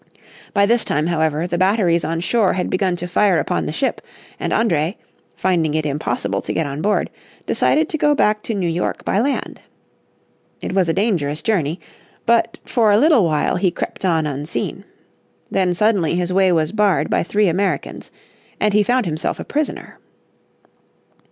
By this time, however, the batteries on shore had begun to fire upon the ship, and André, finding it impossible to get on board, decided to go back to New York by land. It was a dangerous journey, but for a little while he crept on unseen. Then suddenly his way was barred by three Americans, and he found himself a prisoner.